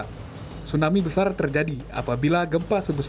tentang tsunami besar terjadi apabila gempa sebesar sungai